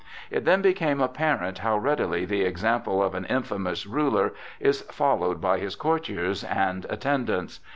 It then became apparent how readily the example of an infamous ruler is followed by his courtiers and attendants.